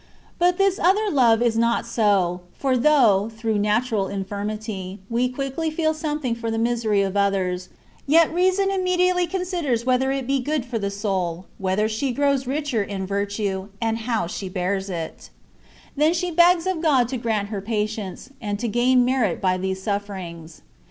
But this other love is not so; for though, through natural infirmity, we quickly feel something for the misery of others, yet reason immediately con siders whether it be good for the soul, whether she grows richer in virtue, and how she bears it : then she begs of God to grant her patience, and to gain merit by these sufferings.